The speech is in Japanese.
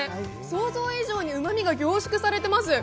想像以上にうまみがしっかり凝縮されています！